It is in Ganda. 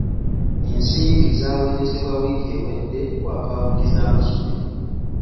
Ensimbi zaawerezebwa wiiki ewedde ku akaawunti z'amassomero.